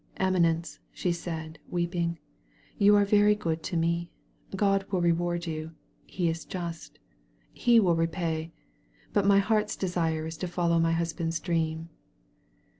"Eminence," she said, weeping, "you are very good to me. Grod will reward you. He is just. He will repay. But my heart's desire is to follow my husband's dream."